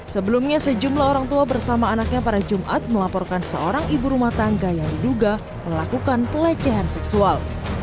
sebelumnya sejumlah orang tua bersama anaknya pada jumat melaporkan seorang ibu rumah tangga yang diduga melakukan pelecehan seksual